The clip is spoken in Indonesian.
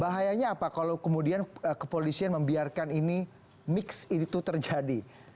bahayanya apa kalau kemudian kepolisian membiarkan ini mix itu terjadi